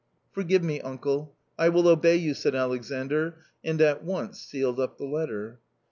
"Forgive me, uncle; I will obey you," said Alexandr, and at once sealed up the letter.